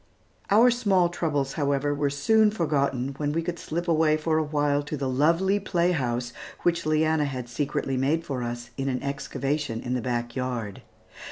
Our small troubles, however, were soon forgotten, when we could slip away for a while to the lovely playhouse which Leanna had secretly made for us in an excavation in the back yard.